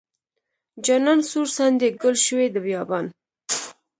جانان سور ساندې ګل شوې د بیابان.